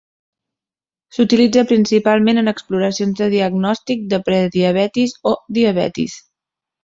S'utilitza principalment en exploracions de diagnòstic de prediabetis o diabetis.